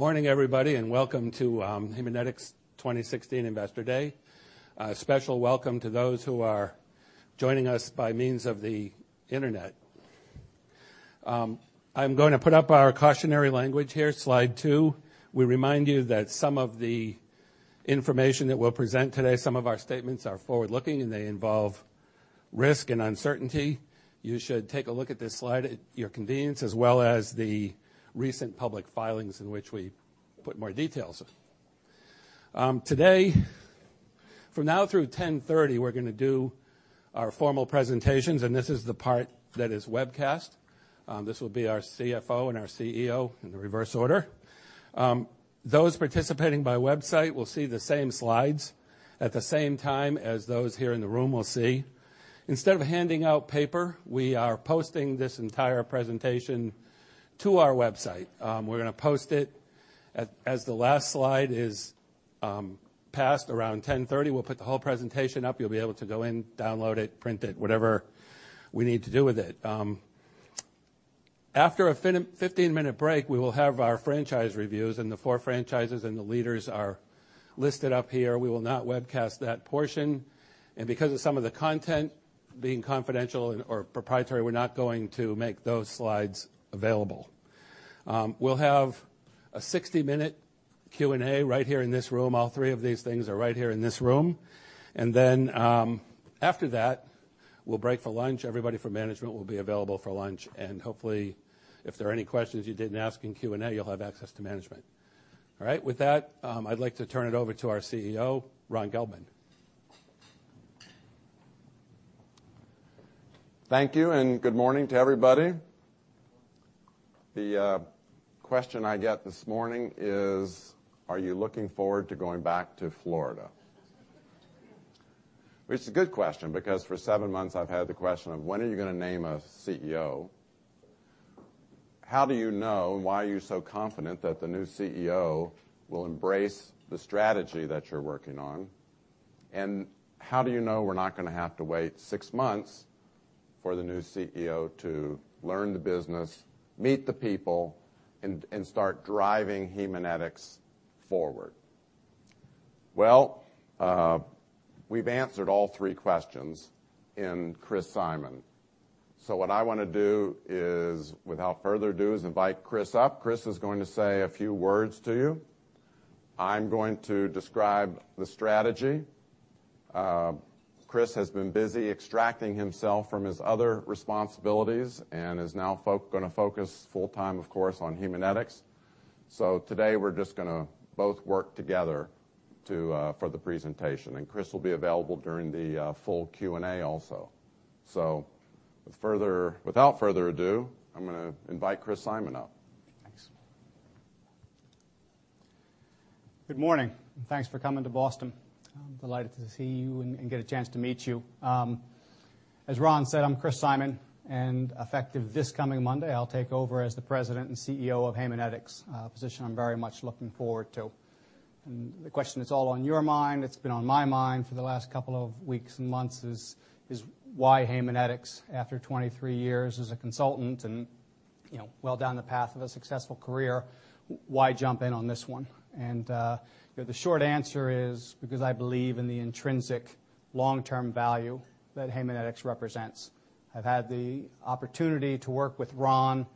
Morning, everybody. Welcome to Haemonetics 2016 Investor Day. A special welcome to those who are joining us by means of the internet. I'm going to put up our cautionary language here, slide two. We remind you that some of the information that we'll present today, some of our statements are forward-looking, and they involve risk and uncertainty. You should take a look at this slide at your convenience, as well as the recent public filings in which we put more details. Today, from now through 10:30 A.M., we're going to do our formal presentations, and this is the part that is webcast. This will be our CFO and our CEO in the reverse order. Those participating by website will see the same slides at the same time as those here in the room will see. Instead of handing out paper, we are posting this entire presentation to our website. We're going to post it as the last slide is passed around 10:30 A.M. We'll put the whole presentation up. You'll be able to go in, download it, print it, whatever we need to do with it. After a 15-minute break, we will have our franchise reviews. The four franchises and the leaders are listed up here. We will not webcast that portion. Because of some of the content being confidential or proprietary, we're not going to make those slides available. We'll have a 60-minute Q&A right here in this room. All three of these things are right here in this room. After that, we'll break for lunch. Everybody from management will be available for lunch, and hopefully, if there are any questions you didn't ask in Q&A, you'll have access to management. All right, with that, I'd like to turn it over to our CEO, Ronald Gelbman. Thank you. Good morning to everybody. The question I get this morning is, are you looking forward to going back to Florida? Which is a good question because for seven months, I've had the question of when are you going to name a CEO? How do you know and why are you so confident that the new CEO will embrace the strategy that you're working on? How do you know we're not going to have to wait six months for the new CEO to learn the business, meet the people, and start driving Haemonetics forward? Well, we've answered all three questions in Chris Simon. What I want to do is, without further ado, is invite Chris up. Chris is going to say a few words to you. I'm going to describe the strategy. Chris has been busy extracting himself from his other responsibilities and is now going to focus full time, of course, on Haemonetics. Today, we're just going to both work together for the presentation. Chris will be available during the full Q&A also. Without further ado, I'm going to invite Christopher Simon up. Thanks. Good morning, and thanks for coming to Boston. I'm delighted to see you and get a chance to meet you. As Ron said, I'm Christopher Simon, and effective this coming Monday, I'll take over as the President and CEO of Haemonetics, a position I'm very much looking forward to. The question that's all on your mind, that's been on my mind for the last couple of weeks and months is, why Haemonetics? After 23 years as a consultant and well down the path of a successful career, why jump in on this one? The short answer is because I believe in the intrinsic long-term value that Haemonetics represents. I've had the opportunity to work with Ron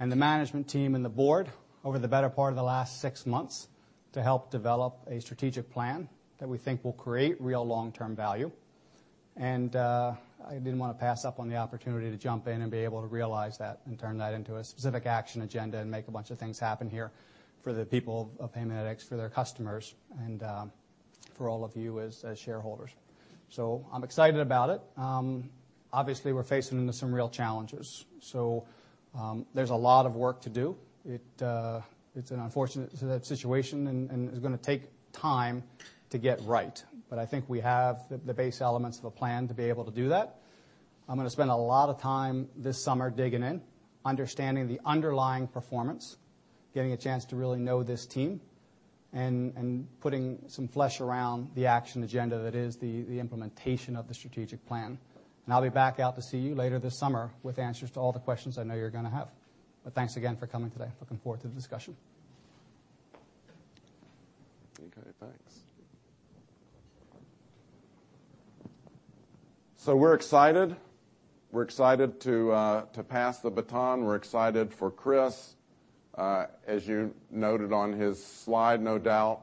and the management team and the board over the better part of the last 6 months to help develop a strategic plan that we think will create real long-term value. I didn't want to pass up on the opportunity to jump in and be able to realize that and turn that into a specific action agenda and make a bunch of things happen here for the people of Haemonetics, for their customers, and for all of you as shareholders. I'm excited about it. Obviously, we're facing into some real challenges, so there's a lot of work to do. It's an unfortunate situation, and it's going to take time to get right. I think we have the base elements of a plan to be able to do that. I'm going to spend a lot of time this summer digging in, understanding the underlying performance, getting a chance to really know this team, and putting some flesh around the action agenda that is the implementation of the strategic plan. I'll be back out to see you later this summer with answers to all the questions I know you're going to have. Thanks again for coming today. Looking forward to the discussion. Okay, thanks. We're excited. We're excited to pass the baton. We're excited for Chris. As you noted on his slide, no doubt,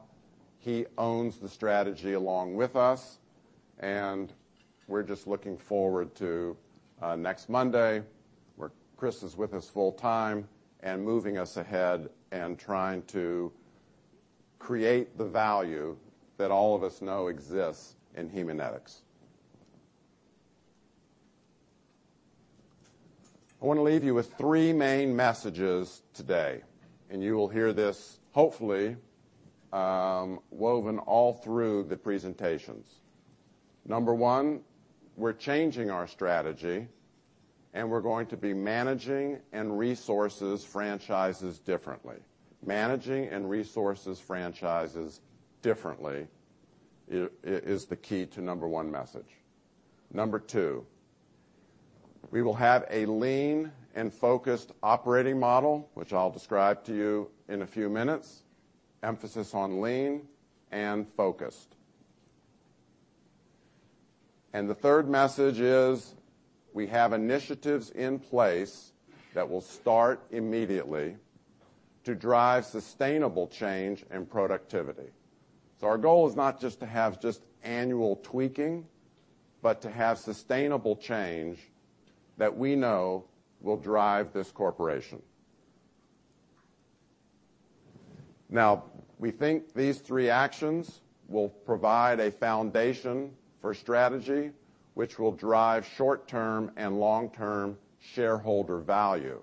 he owns the strategy along with us, and we're just looking forward to next Monday, where Chris is with us full time and moving us ahead and trying to create the value that all of us know exists in Haemonetics. I want to leave you with three main messages today, and you will hear this, hopefully, woven all through the presentations. Number one, we're changing our strategy, and we're going to be managing and resources franchises differently. Managing and resources franchises differently is the key to number one message. Number two, we will have a lean and focused operating model, which I'll describe to you in a few minutes. Emphasis on lean and focused. The third message is we have initiatives in place that will start immediately to drive sustainable change and productivity. Our goal is not just to have just annual tweaking, but to have sustainable change that we know will drive this corporation. Now, we think these three actions will provide a foundation for strategy, which will drive short-term and long-term shareholder value.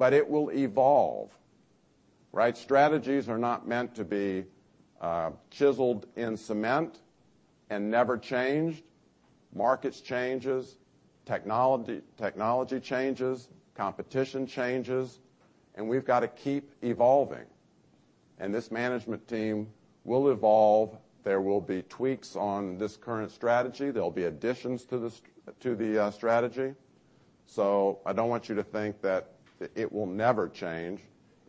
It will evolve, right? Strategies are not meant to be chiseled in cement and never changed. Markets changes, technology changes, competition changes, and we've got to keep evolving. This management team will evolve. There will be tweaks on this current strategy. There'll be additions to the strategy. I don't want you to think that it will never change.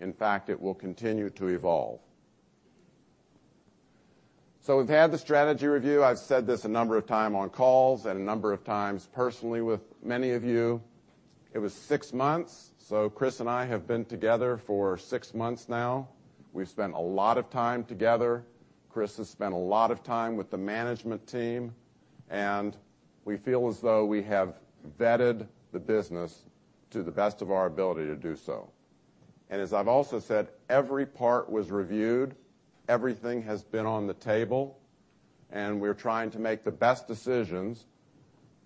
In fact, it will continue to evolve. We've had the strategy review. I've said this a number of times on calls and a number of times personally with many of you, it was six months. Chris and I have been together for six months now. We've spent a lot of time together. Chris has spent a lot of time with the management team, and we feel as though we have vetted the business to the best of our ability to do so. As I've also said, every part was reviewed, everything has been on the table, and we're trying to make the best decisions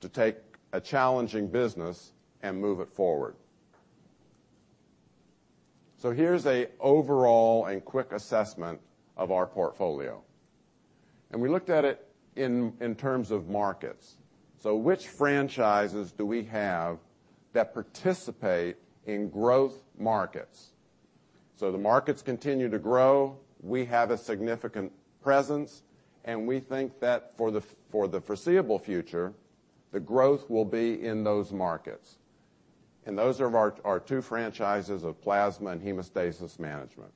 to take a challenging business and move it forward. Here's an overall and quick assessment of our portfolio. We looked at it in terms of markets. Which franchises do we have that participate in growth markets? The markets continue to grow. We have a significant presence, and we think that for the foreseeable future, the growth will be in those markets. Those are our two franchises of plasma and hemostasis management.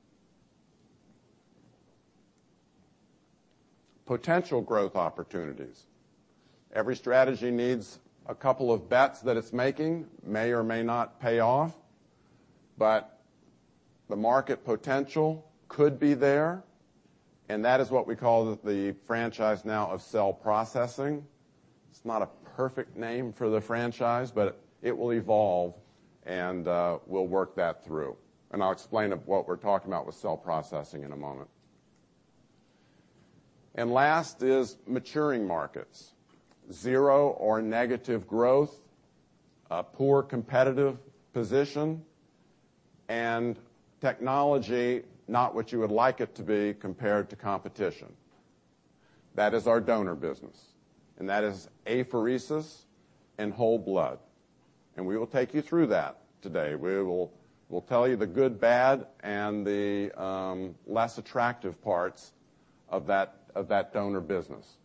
Potential growth opportunities. Every strategy needs a couple of bets that it's making, may or may not pay off, but the market potential could be there, and that is what we call the franchise now of cell processing. It's not a perfect name for the franchise, but it will evolve and we'll work that through. I'll explain what we're talking about with cell processing in a moment. Last is maturing markets. Zero or negative growth, poor competitive position, and technology not what you would like it to be compared to competition. That is our donor business, and that is apheresis and whole blood. We will take you through that today. We'll tell you the good, bad, and the less attractive parts of that donor business.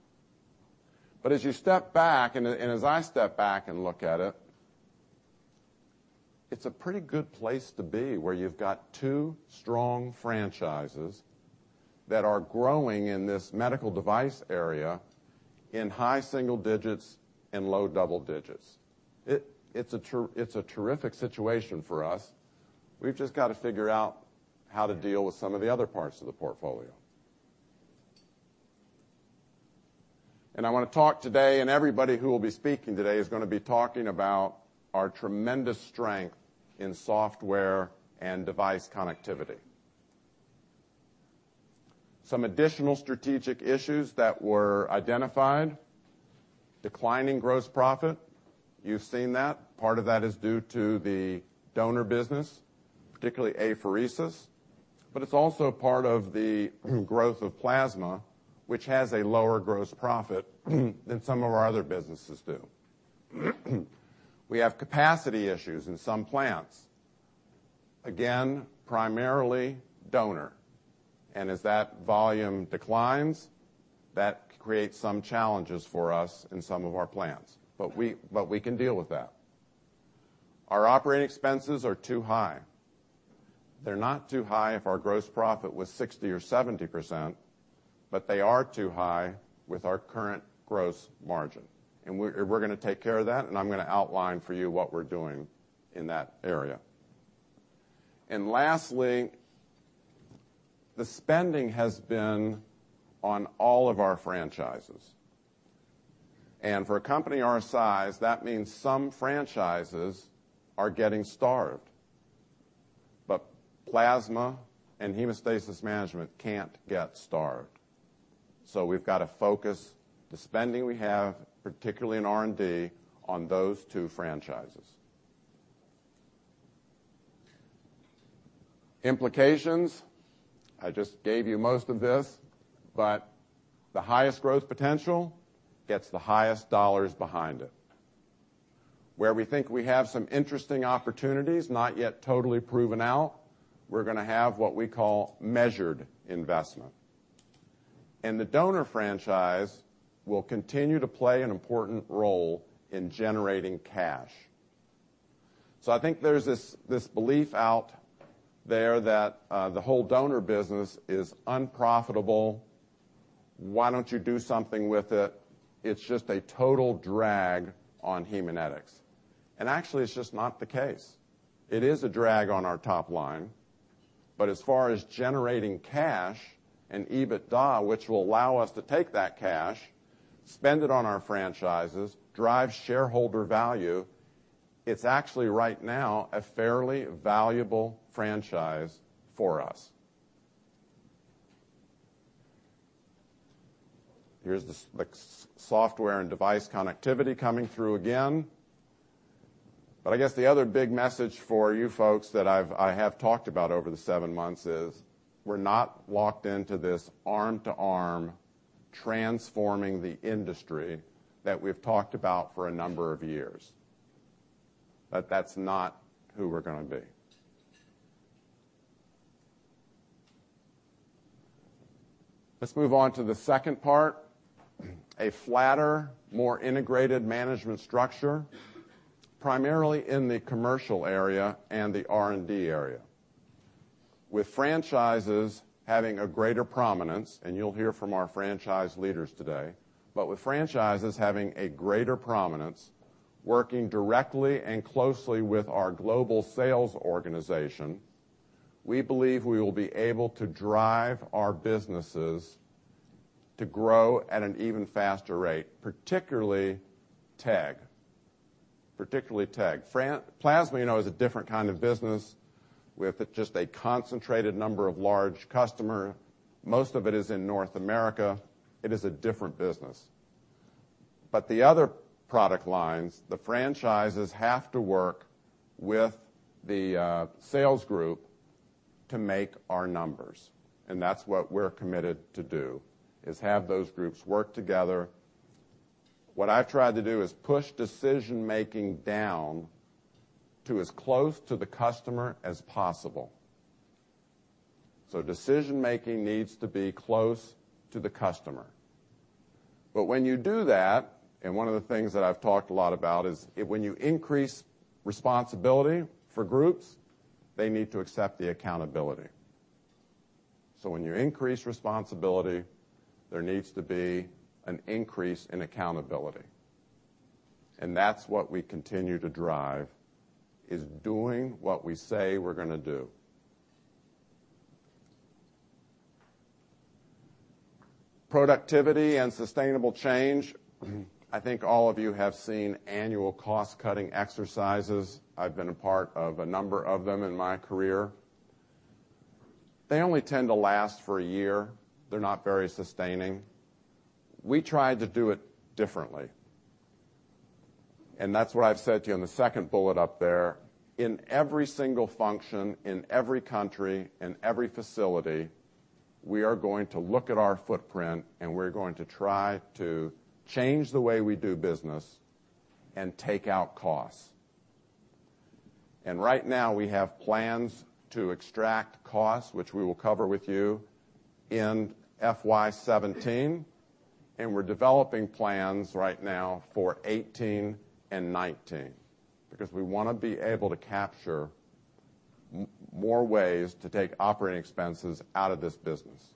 As you step back and as I step back and look at it's a pretty good place to be, where you've got two strong franchises that are growing in this medical device area in high single digits and low double digits. It's a terrific situation for us. We've just got to figure out how to deal with some of the other parts of the portfolio. I want to talk today, and everybody who will be speaking today is going to be talking about our tremendous strength in software and device connectivity. Some additional strategic issues that were identified, declining gross profit. You've seen that. Part of that is due to the donor business, particularly apheresis, but it's also part of the growth of plasma, which has a lower gross profit than some of our other businesses do. We have capacity issues in some plants. Again, primarily donor. As that volume declines, that creates some challenges for us in some of our plans. We can deal with that. Our operating expenses are too high. They're not too high if our gross profit was 60% or 70%, but they are too high with our current gross margin. We're going to take care of that, and I'm going to outline for you what we're doing in that area. Lastly, the spending has been on all of our franchises. For a company our size, that means some franchises are getting starved. Plasma and hemostasis management can't get starved. We've got to focus the spending we have, particularly in R&D, on those two franchises. Implications, I just gave you most of this, but the highest growth potential gets the highest dollars behind it, where we think we have some interesting opportunities, not yet totally proven out, we're going to have what we call measured investment. The donor franchise will continue to play an important role in generating cash. I think there's this belief out there that the whole donor business is unprofitable. Why don't you do something with it? It's just a total drag on Haemonetics. Actually, it's just not the case. It is a drag on our top line, but as far as generating cash and EBITDA, which will allow us to take that cash, spend it on our franchises, drive shareholder value, it's actually, right now, a fairly valuable franchise for us. Here's the software and device connectivity coming through again. I guess the other big message for you folks that I have talked about over the seven months is, we're not locked into this Arm to Arm transforming the industry that we've talked about for a number of years. That's not who we're going to be. Let's move on to the second part, a flatter, more integrated management structure, primarily in the commercial area and the R&D area. With franchises having a greater prominence, and you'll hear from our franchise leaders today, but with franchises having a greater prominence, working directly and closely with our global sales organization, we believe we will be able to drive our businesses to grow at an even faster rate, particularly TEG. Plasma is a different kind of business with just a concentrated number of large customers. Most of it is in North America. It is a different business. The other product lines, the franchises have to work with the sales group to make our numbers, and that's what we're committed to do, is have those groups work together. What I've tried to do is push decision-making down to as close to the customer as possible. Decision-making needs to be close to the customer. When you do that, and one of the things that I've talked a lot about is when you increase responsibility for groups, they need to accept the accountability. When you increase responsibility, there needs to be an increase in accountability, and that's what we continue to drive, is doing what we say we're going to do. Productivity and sustainable change. I think all of you have seen annual cost-cutting exercises. I've been a part of a number of them in my career. They only tend to last for a year. They're not very sustaining. We try to do it differently, and that's what I've said to you in the second bullet up there. In every single function, in every country and every facility, we are going to look at our footprint, and we're going to try to change the way we do business and take out costs. Right now, we have plans to extract costs, which we will cover with you in FY 2017, and we're developing plans right now for 2018 and 2019 because we want to be able to capture more ways to take operating expenses out of this business.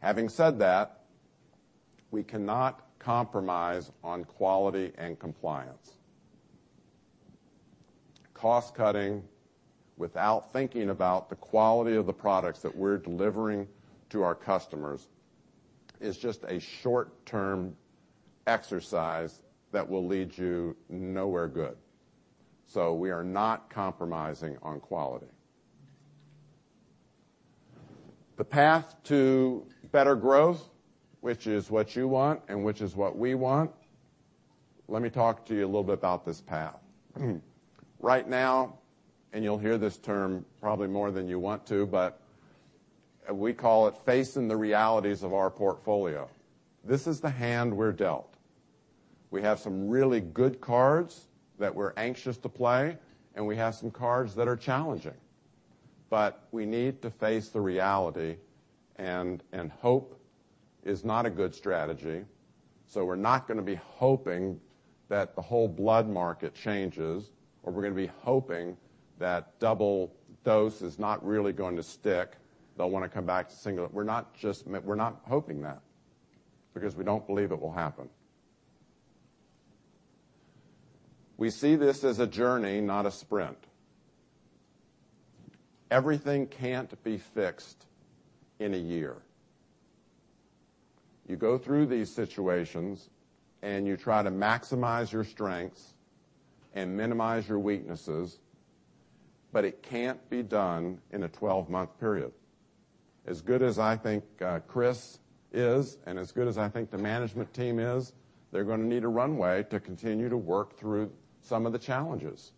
Having said that, we cannot compromise on quality and compliance. Cost-cutting without thinking about the quality of the products that we're delivering to our customers is just a short-term exercise that will lead you nowhere good. We are not compromising on quality. The path to better growth, which is what you want and which is what we want. Let me talk to you a little bit about this path. Right now, and you'll hear this term probably more than you want to, but we call it facing the realities of our portfolio. This is the hand we're dealt. We have some really good cards that we're anxious to play, and we have some cards that are challenging, but we need to face the reality, and hope is not a good strategy. We're not going to be hoping that the whole blood market changes, or we're going to be hoping that double dose is not really going to stick. They'll want to come back to single. We're not hoping that because we don't believe it will happen. We see this as a journey, not a sprint. Everything can't be fixed in a year. You go through these situations, and you try to maximize your strengths and minimize your weaknesses, but it can't be done in a 12-month period. As good as I think Chris is and as good as I think the management team is, they're going to need a runway to continue to work through some of the challenges.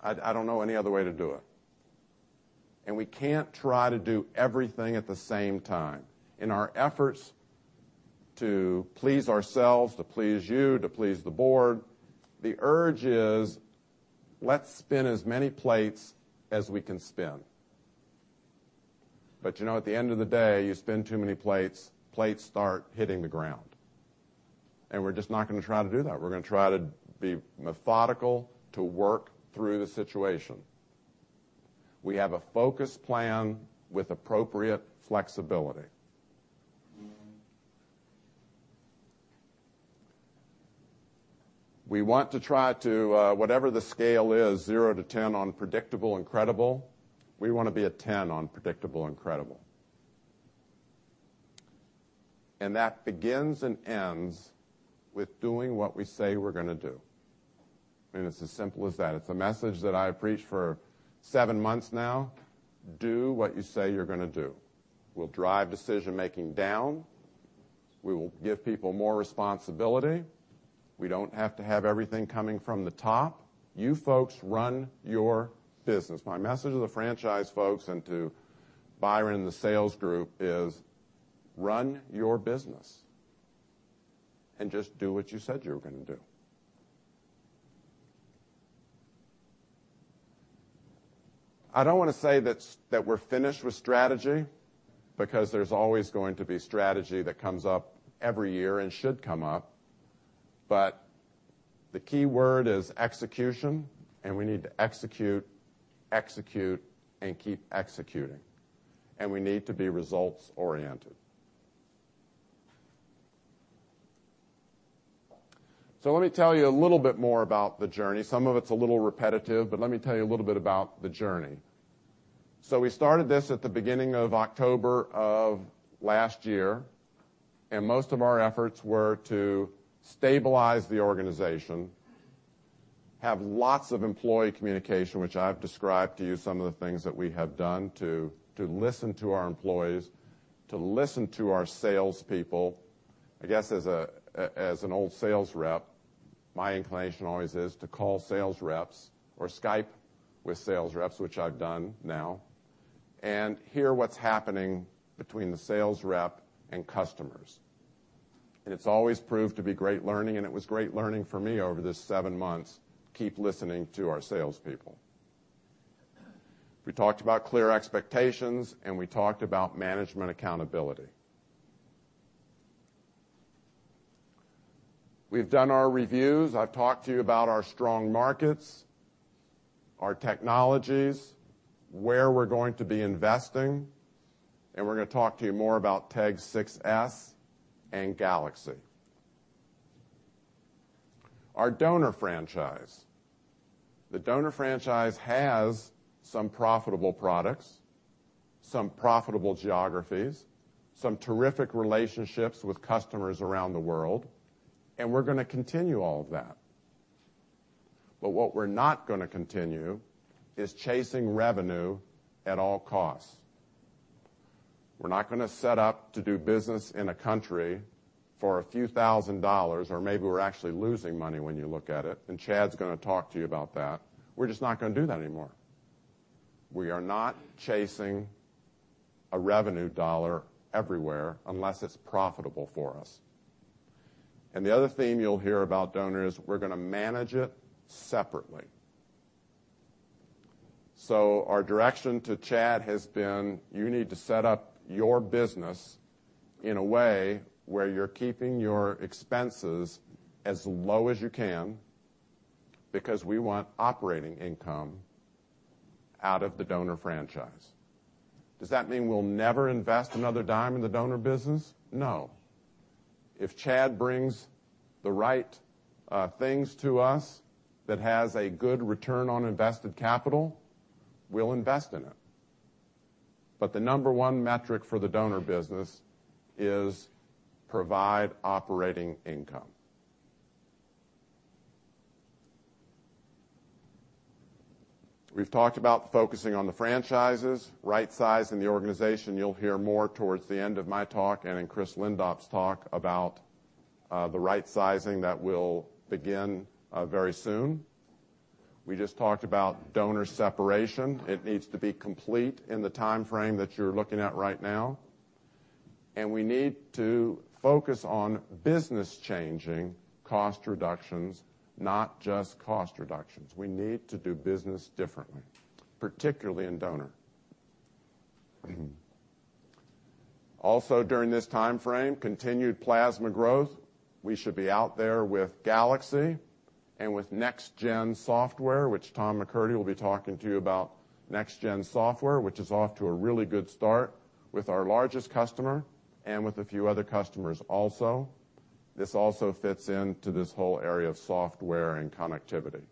I don't know any other way to do it. We can't try to do everything at the same time. In our efforts to please ourselves, to please you, to please the board. The urge is, let's spin as many plates as we can spin. At the end of the day, you spin too many plates start hitting the ground. We're just not going to try to do that. We're going to try to be methodical, to work through the situation. We have a focused plan with appropriate flexibility. We want to try to, whatever the scale is, 0 to 10 on predictable and credible, we want to be a 10 on predictable and credible. That begins and ends with doing what we say we're going to do. It's as simple as that. It's a message that I've preached for seven months now. Do what you say you're going to do. We'll drive decision-making down. We will give people more responsibility. We don't have to have everything coming from the top. You folks run your business. My message to the franchise folks and to Byron and the sales group is run your business and just do what you said you were going to do. I don't want to say that we're finished with strategy because there's always going to be strategy that comes up every year and should come up. The key word is execution, and we need to execute, and keep executing. We need to be results-oriented. Let me tell you a little bit more about the journey. Some of it's a little repetitive, but let me tell you a little bit about the journey. We started this at the beginning of October of last year, and most of our efforts were to stabilize the organization, have lots of employee communication, which I've described to you some of the things that we have done to listen to our employees, to listen to our salespeople. I guess as an old sales rep, my inclination always is to call sales reps or Skype with sales reps, which I've done now, and hear what's happening between the sales rep and customers. It's always proved to be great learning, and it was great learning for me over this seven months. Keep listening to our salespeople. We talked about clear expectations. We talked about management accountability. We've done our reviews. I've talked to you about our strong markets, our technologies, where we're going to be investing. We're going to talk to you more about TEG 6s and Galaxy. Our donor franchise. The donor franchise has some profitable products, some profitable geographies, some terrific relationships with customers around the world. We're going to continue all of that. What we're not going to continue is chasing revenue at all costs. We're not going to set up to do business in a country for a few thousand USD, or maybe we're actually losing money when you look at it. Chad's going to talk to you about that. We're just not going to do that anymore. We are not chasing a revenue dollar everywhere unless it's profitable for us. The other theme you'll hear about donor is we're going to manage it separately. Our direction to Chad has been, you need to set up your business in a way where you're keeping your expenses as low as you can because we want operating income out of the donor franchise. Does that mean we'll never invest another $0.10 in the donor business? No. If Chad brings the right things to us that has a good return on invested capital, we'll invest in it. The number 1 metric for the donor business is provide operating income. We've talked about focusing on the franchises, right-sizing the organization. You'll hear more towards the end of my talk and in Chris Lindop's talk about the right-sizing that will begin very soon. We just talked about donor separation. It needs to be complete in the timeframe that you're looking at right now. We need to focus on business-changing cost reductions, not just cost reductions. We need to do business differently, particularly in donor. Also during this timeframe, continued plasma growth. We should be out there with Galaxy and with NextGen DMS, which Tom McCurdy will be talking to you about. NextGen DMS, which is off to a really good start with our largest customer and with a few other customers also. This also fits into this whole area of software and connectivity.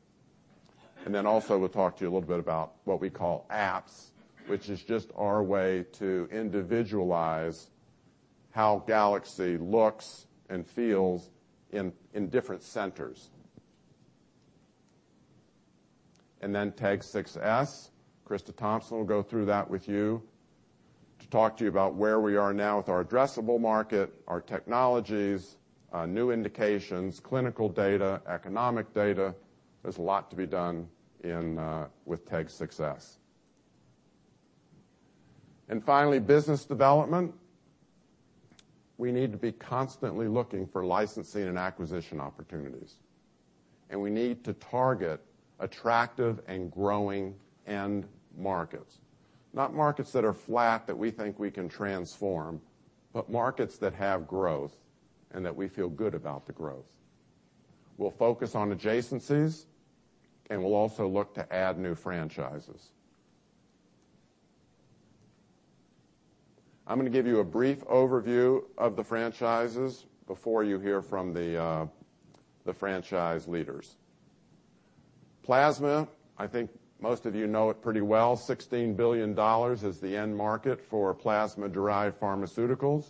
Also we'll talk to you a little bit about what we call apps, which is just our way to individualize how Galaxy looks and feels in different centers. TEG 6s, Krista Thompson will go through that with you to talk to you about where we are now with our addressable market, our technologies, new indications, clinical data, economic data. There's a lot to be done with TEG 6s. Finally, business development. We need to be constantly looking for licensing and acquisition opportunities. We need to target attractive and growing end markets. Not markets that are flat that we think we can transform, markets that have growth and that we feel good about the growth. We'll focus on adjacencies. We'll also look to add new franchises. I'm going to give you a brief overview of the franchises before you hear from the franchise leaders. Plasma, I think most of you know it pretty well, $16 billion is the end market for plasma-derived pharmaceuticals.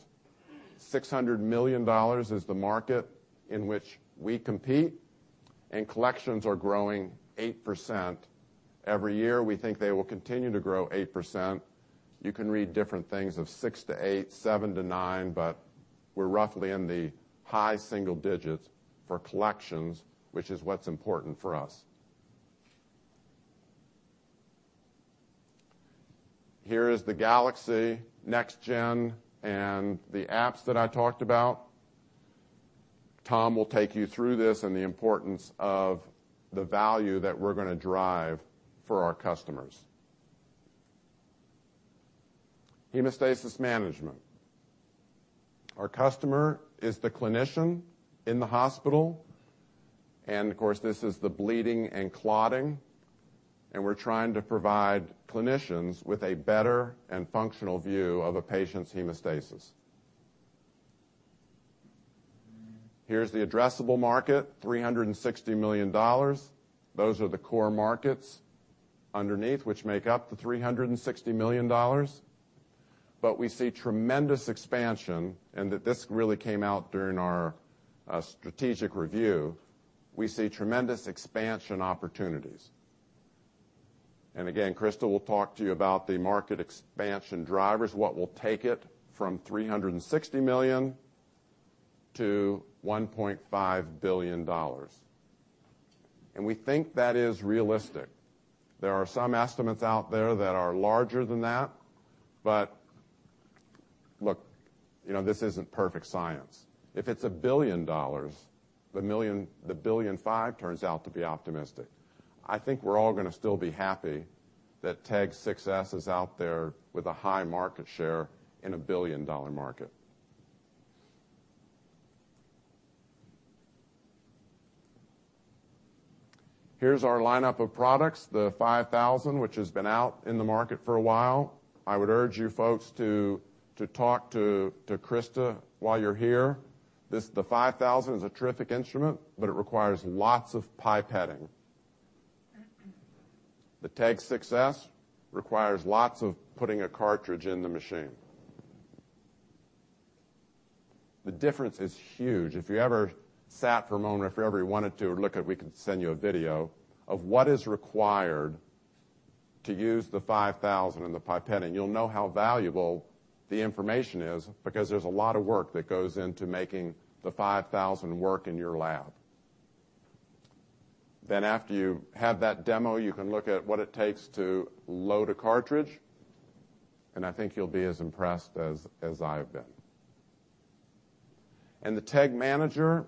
$600 million is the market in which we compete, and collections are growing 8%. Every year, we think they will continue to grow 8%. You can read different things of 6%-8%, 7%-9%, but we're roughly in the high single digits for collections, which is what's important for us. Here is the Galaxy Next Gen and the apps that I talked about. Tom will take you through this and the importance of the value that we're going to drive for our customers. Hemostasis management. Our customer is the clinician in the hospital, and of course, this is the bleeding and clotting, and we're trying to provide clinicians with a better and functional view of a patient's hemostasis. Here's the addressable market, $360 million. Those are the core markets underneath, which make up the $360 million. We see tremendous expansion, and that this really came out during our strategic review. We see tremendous expansion opportunities. Again, Krista will talk to you about the market expansion drivers, what will take it from $360 million to $1.5 billion. We think that is realistic. There are some estimates out there that are larger than that, but look, this isn't perfect science. If it's $1 billion, the $1.5 billion turns out to be optimistic. I think we're all going to still be happy that TEG 6s is out there with a high market share in a $1 billion market. Here's our lineup of products, the 5000, which has been out in the market for a while. I would urge you folks to talk to Krista while you're here. The 5000 is a terrific instrument, but it requires lots of pipetting. The TEG 6s requires lots of putting a cartridge in the machine. The difference is huge. If you ever sat for a moment, if you ever wanted to look at, we can send you a video of what is required to use the 5000 and the pipetting. You'll know how valuable the information is because there's a lot of work that goes into making the 5000 work in your lab. After you have that demo, you can look at what it takes to load a cartridge, I think you'll be as impressed as I've been. The TEG Manager,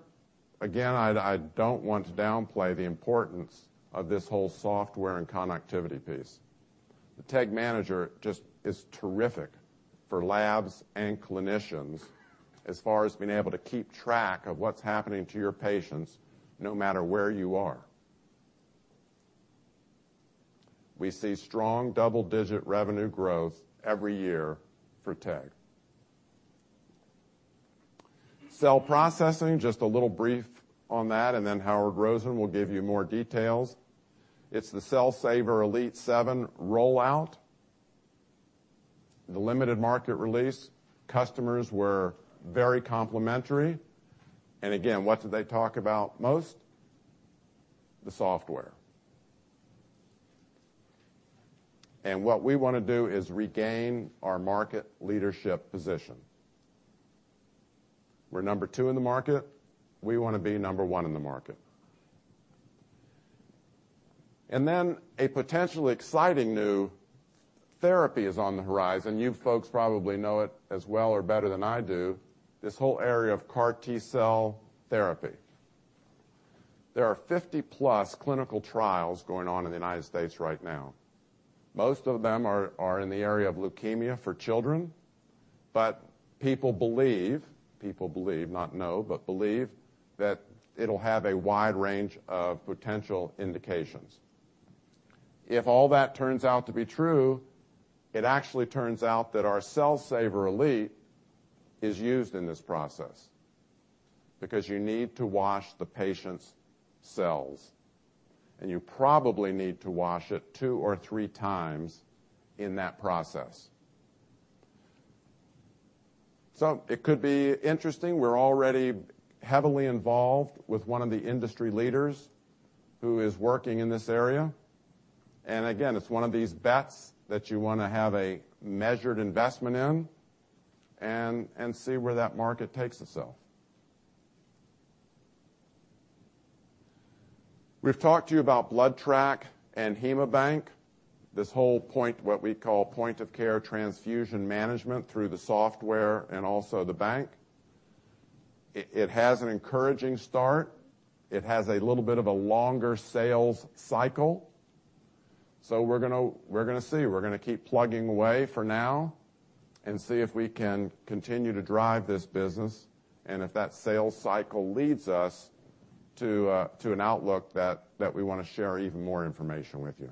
again, I don't want to downplay the importance of this whole software and connectivity piece. The TEG Manager just is terrific for labs and clinicians as far as being able to keep track of what's happening to your patients, no matter where you are. We see strong double-digit revenue growth every year for TEG. Cell processing, just a little brief on that, and then Howard Rosen will give you more details. It's the Cell Saver Elite 7 rollout. The limited market release, customers were very complimentary. Again, what did they talk about most? The software. What we want to do is regain our market leadership position. We're number two in the market. We want to be number one in the market. A potentially exciting new therapy is on the horizon. You folks probably know it as well or better than I do, this whole area of CAR T-cell therapy. There are 50-plus clinical trials going on in the U.S. right now. Most of them are in the area of leukemia for children, but people believe, not know, but believe that it will have a wide range of potential indications. If all that turns out to be true, it actually turns out that our Cell Saver Elite is used in this process because you need to wash the patient's cells, and you probably need to wash it two or three times in that process. It could be interesting. We are already heavily involved with one of the industry leaders who is working in this area. Again, it is one of these bets that you want to have a measured investment in and see where that market takes itself. We have talked to you about BloodTrack and HaemoBank, this whole point, what we call point of care transfusion management through the software and also the bank. It has an encouraging start. It has a little bit of a longer sales cycle. We are going to see. We are going to keep plugging away for now and see if we can continue to drive this business, if that sales cycle leads us to an outlook that we want to share even more information with you.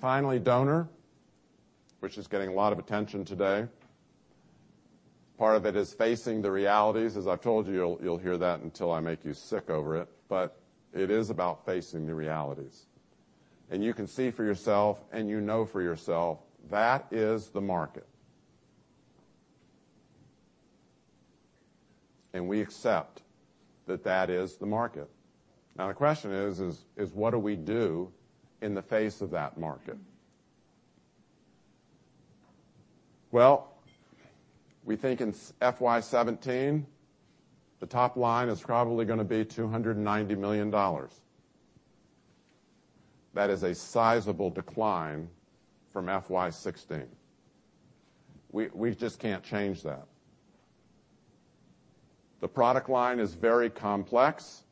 Finally, donor, which is getting a lot of attention today. Part of it is facing the realities. As I have told you will hear that until I make you sick over it is about facing the realities. You can see for yourself and you know for yourself, that is the market. We accept that that is the market. The question is, what do we do in the face of that market? We think in FY 2017, the top line is probably going to be $290 million. That is a sizable decline from FY 2016. We just cannot change that. The product line is very complex,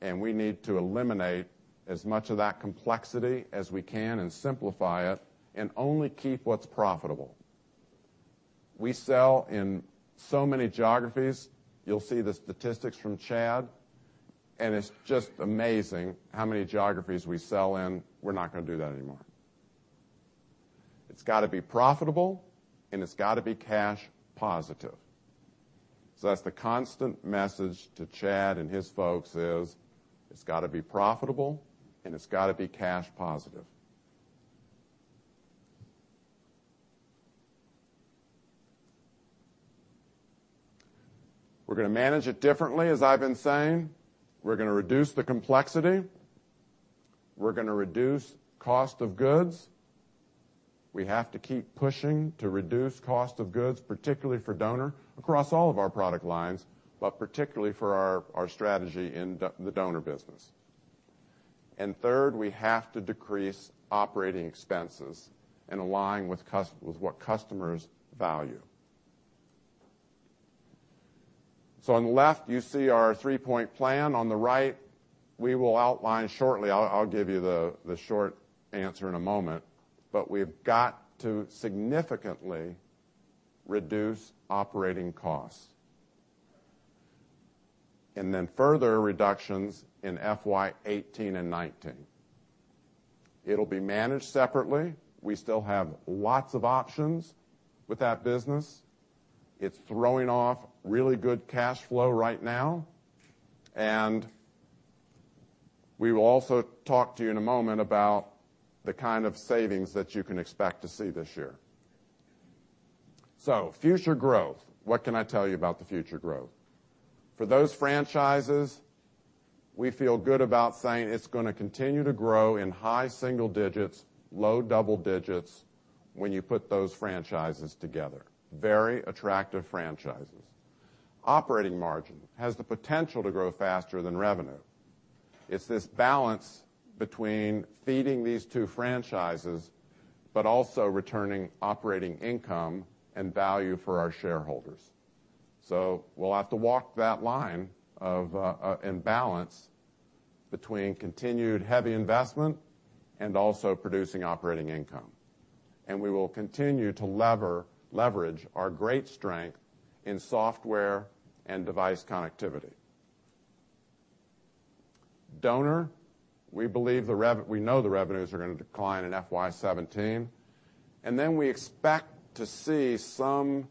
and we need to eliminate as much of that complexity as we can and simplify it and only keep what is profitable. We sell in so many geographies. You will see the statistics from Chad, it is just amazing how many geographies we sell in. We are not going to do that anymore. It has got to be profitable, it has got to be cash positive. That is the constant message to Chad and his folks is, it has got to be profitable, it has got to be cash positive. We are going to manage it differently, as I have been saying. We are going to reduce the complexity. We are going to reduce cost of goods. We have to keep pushing to reduce cost of goods, particularly for donor, across all of our product lines, particularly for our strategy in the donor business. Third, we have to decrease operating expenses and align with what customers value. On the left, you see our three-point plan. On the right, we will outline shortly. I will give you the short answer in a moment. We have got to significantly reduce operating costs. Further reductions in FY 2018 and 2019. It will be managed separately. We still have lots of options with that business. It's throwing off really good cash flow right now. We will also talk to you in a moment about the kind of savings that you can expect to see this year. Future growth. What can I tell you about the future growth? For those franchises, we feel good about saying it's going to continue to grow in high single digits, low double digits, when you put those franchises together. Very attractive franchises. Operating margin has the potential to grow faster than revenue. It's this balance between feeding these two franchises, but also returning operating income and value for our shareholders. We'll have to walk that line of imbalance between continued heavy investment and also producing operating income. We will continue to leverage our great strength in software and device connectivity. Donor, we know the revenues are going to decline in FY17. Then we expect to see some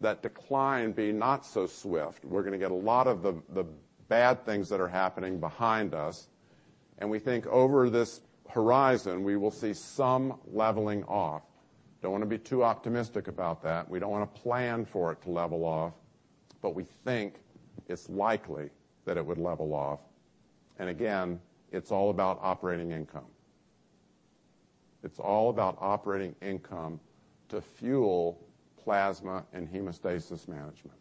that decline be not so swift. We're going to get a lot of the bad things that are happening behind us. We think over this horizon, we will see some leveling off. Don't want to be too optimistic about that. We don't want to plan for it to level off, but we think it's likely that it would level off. Again, it's all about operating income. It's all about operating income to fuel plasma and hemostasis management.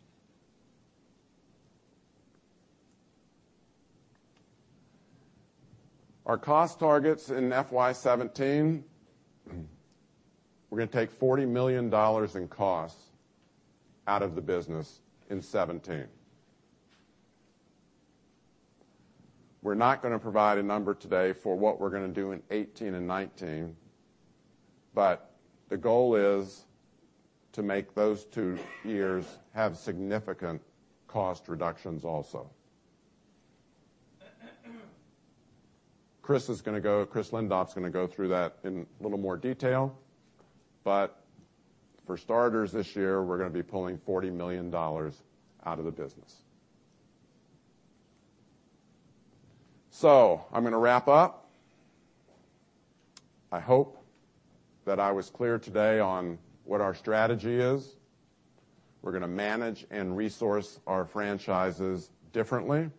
Our cost targets in FY17, we're going to take $40 million in costs out of the business in 2017. We're not going to provide a number today for what we're going to do in 2018 and 2019, but the goal is to make those two years have significant cost reductions also. Chris Lindop's going to go through that in a little more detail. For starters this year, we're going to be pulling $40 million out of the business. I'm going to wrap up. I hope that I was clear today on what our strategy is. We're going to manage and resource our franchises differently.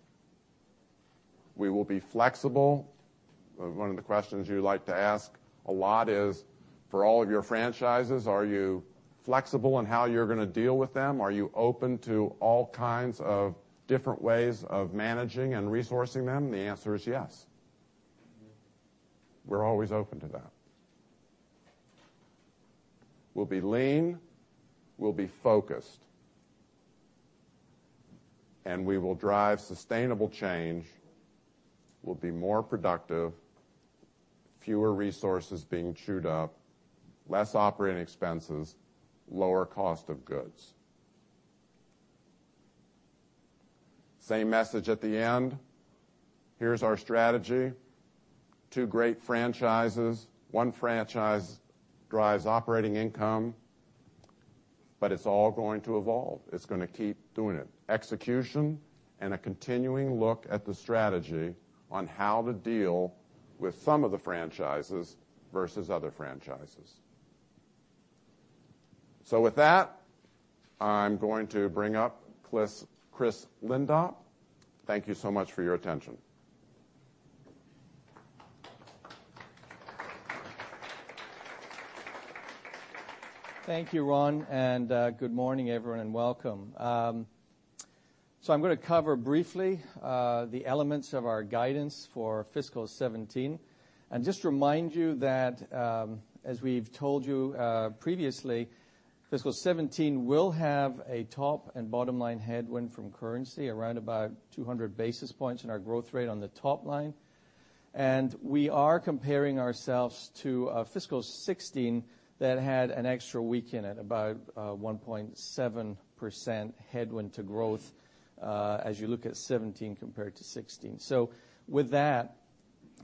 We will be flexible. One of the questions you like to ask a lot is, for all of your franchises, are you flexible in how you're going to deal with them? Are you open to all kinds of different ways of managing and resourcing them? The answer is yes. We're always open to that. We'll be lean, we'll be focused, and we will drive sustainable change. We'll be more productive, fewer resources being chewed up, less operating expenses, lower cost of goods. Same message at the end. Here's our strategy. Two great franchises. One franchise drives operating income, it's all going to evolve. It's going to keep doing it. Execution and a continuing look at the strategy on how to deal with some of the franchises versus other franchises. With that, I'm going to bring up Chris Lindop. Thank you so much for your attention. Thank you, Ron, good morning, everyone, and welcome. I'm going to cover briefly the elements of our guidance for FY 2017 and just remind you that, as we've told you previously, FY 2017 will have a top and bottom line headwind from currency, around about 200 basis points in our growth rate on the top line. We are comparing ourselves to FY 2016 that had an extra week in it, about 1.7% headwind to growth as you look at 2017 compared to 2016. With that,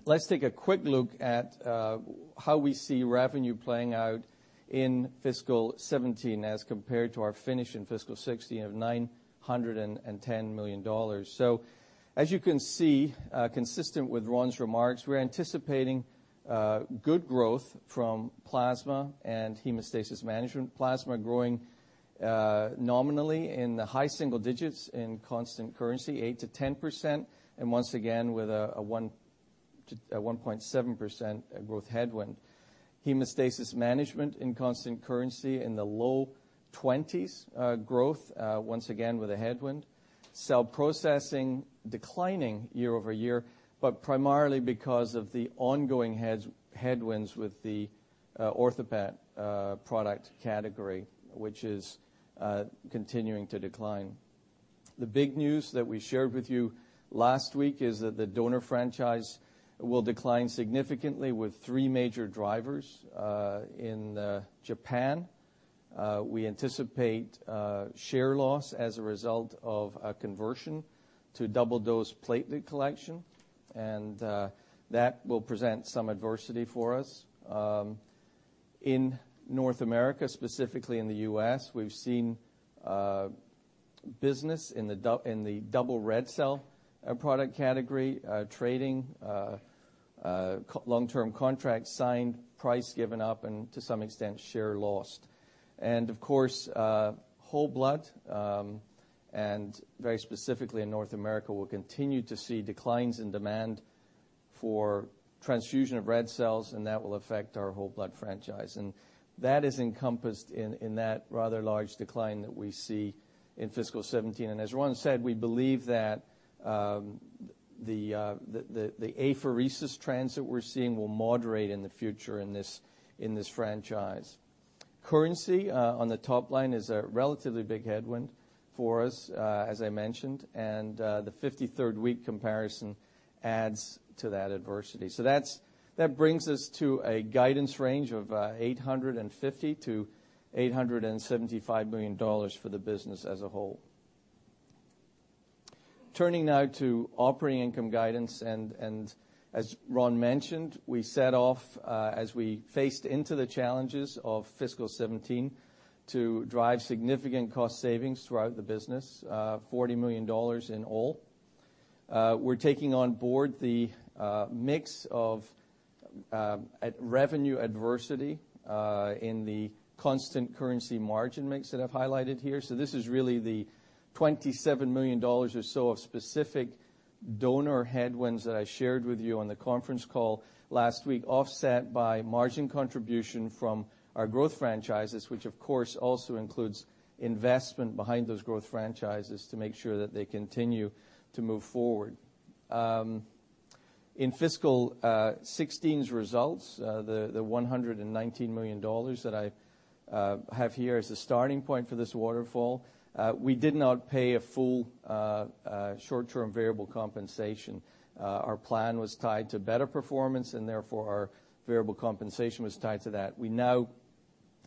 let's take a quick look at how we see revenue playing out in FY 2017 as compared to our finish in FY 2016 of $910 million. As you can see, consistent with Ron's remarks, we're anticipating good growth from Plasma and Hemostasis Management. Plasma growing nominally in the high single digits, in constant currency, 8%-10%, once again, with a 1.7% growth headwind. Hemostasis Management, in constant currency, in the low 20s growth, once again, with a headwind. Cell Processing, declining year-over-year, primarily because of the ongoing headwinds with the OrthoPAT product category, which is continuing to decline. The big news that we shared with you last week is that the donor franchise will decline significantly with three major drivers. In Japan, we anticipate share loss as a result of a conversion to double-dose plateletpheresis, that will present some adversity for us. In North America, specifically in the U.S., we've seen business in the double red cell product category trading long-term contracts signed, price given up, and to some extent, share lost. Of course, whole blood, very specifically in North America, we'll continue to see declines in demand for transfusion of red cells, and that will affect our whole blood franchise. That is encompassed in that rather large decline that we see in FY 2017. As Ron said, we believe that the apheresis trends that we're seeing will moderate in the future in this franchise. Currency on the top line is a relatively big headwind for us, as I mentioned, and the 53rd week comparison adds to that adversity. That brings us to a guidance range of $850 million-$875 million for the business as a whole. Turning now to operating income guidance. As Ron mentioned, we set off as we faced into the challenges of FY 2017 to drive significant cost savings throughout the business, $40 million in all. We're taking on board the mix of revenue adversity in the constant currency margin mix that I've highlighted here. This is really the $27 million or so of specific donor headwinds that I shared with you on the conference call last week, offset by margin contribution from our growth franchises, which of course, also includes investment behind those growth franchises to make sure that they continue to move forward. In FY 2016's results, the $119 million that I have here as a starting point for this waterfall, we did not pay a full short-term variable compensation. Our plan was tied to better performance, therefore, our variable compensation was tied to that. We now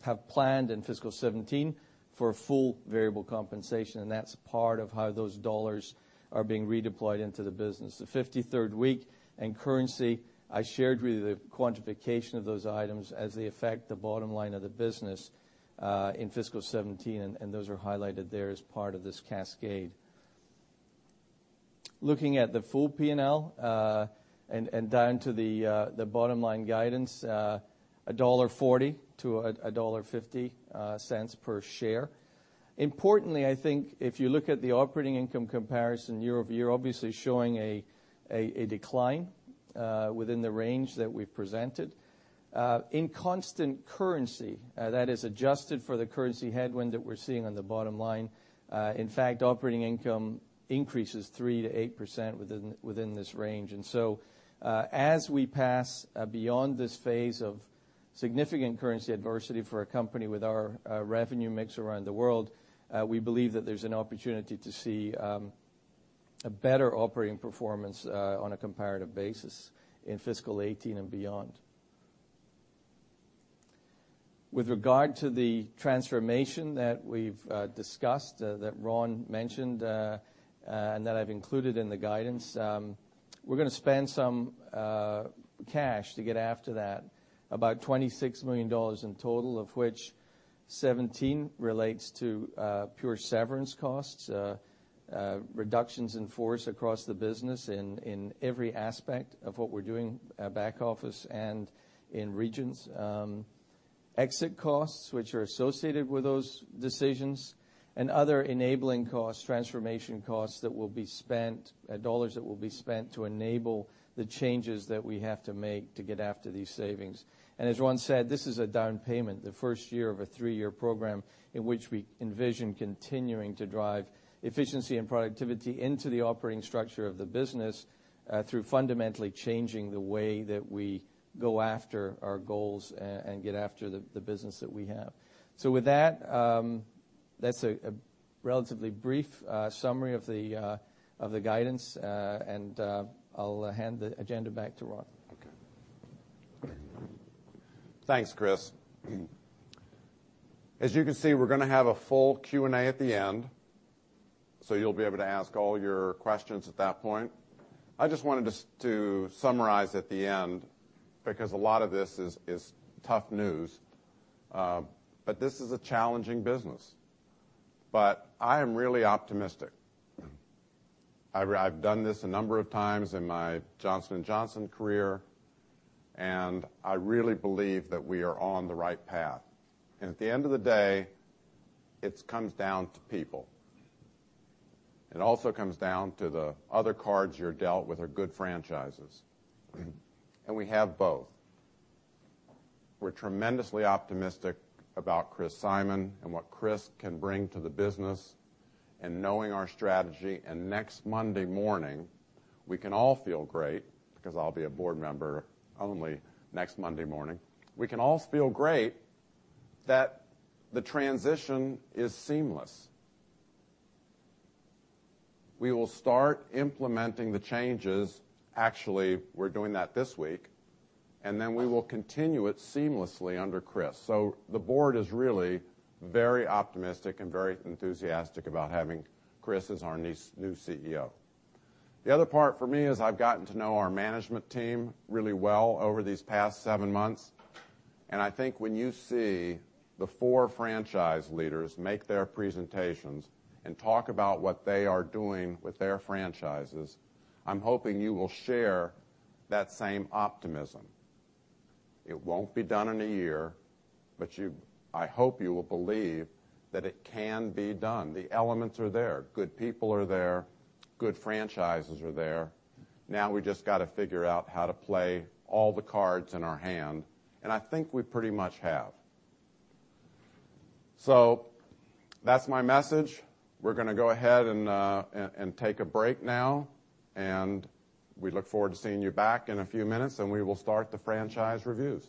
have planned in FY 2017 for a full variable compensation, that's part of how those dollars are being redeployed into the business. The 53rd week and currency, I shared with you the quantification of those items as they affect the bottom line of the business in FY 2017. Those are highlighted there as part of this cascade. Looking at the full P&L. Down to the bottom line guidance, $1.40-$1.50 per share. Importantly, I think if you look at the operating income comparison year-over-year, obviously showing a decline within the range that we've presented. In constant currency, that is adjusted for the currency headwind that we're seeing on the bottom line, in fact, operating income increases 3%-8% within this range. As we pass beyond this phase of significant currency adversity for a company with our revenue mix around the world, we believe that there's an opportunity to see a better operating performance on a comparative basis in FY 2018 and beyond. With regard to the transformation that we've discussed, that Ron mentioned, that I've included in the guidance, we're going to spend some cash to get after that. About $26 million in total, of which 17 relates to pure severance costs, reductions in force across the business in every aspect of what we're doing, back office and in regions. Exit costs, which are associated with those decisions. Other enabling costs, transformation costs that will be spent, dollars that will be spent to enable the changes that we have to make to get after these savings. As Ron said, this is a down payment, the first year of a three-year program in which we envision continuing to drive efficiency and productivity into the operating structure of the business, through fundamentally changing the way that we go after our goals and get after the business that we have. With that's a relatively brief summary of the guidance. I'll hand the agenda back to Ron. Okay. Thanks, Chris. As you can see, we're going to have a full Q&A at the end. You'll be able to ask all your questions at that point. I just wanted to summarize at the end, because a lot of this is tough news. This is a challenging business. I am really optimistic. I've done this a number of times in my Johnson & Johnson career. I really believe that we are on the right path. At the end of the day, it comes down to people. It also comes down to the other cards you're dealt with are good franchises. We have both. We're tremendously optimistic about Christopher Simon and what Chris can bring to the business, knowing our strategy. Next Monday morning, we can all feel great because I'll be a board member only next Monday morning. We can all feel great that the transition is seamless. We will start implementing the changes, actually, we're doing that this week, we will continue it seamlessly under Chris. The board is really very optimistic and very enthusiastic about having Chris as our new CEO. The other part for me is I've gotten to know our management team really well over these past seven months, and I think when you see the four franchise leaders make their presentations and talk about what they are doing with their franchises, I'm hoping you will share that same optimism. It won't be done in a year, but I hope you will believe that it can be done. The elements are there. Good people are there. Good franchises are there. We just got to figure out how to play all the cards in our hand, and I think we pretty much have. That's my message. We're going to go ahead and take a break now, and we look forward to seeing you back in a few minutes, and we will start the franchise reviews.